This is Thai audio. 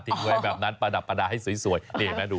ถิฟง่ายแบบนั้นปรรดับปรณาให้สวยลีที่นั้นดู